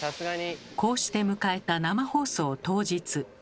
こうして迎えた生放送当日。